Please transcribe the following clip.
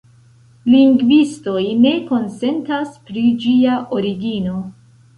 Lingvistoj ne konsentas pri ĝia origino.